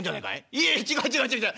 「いや違う違う違う違う！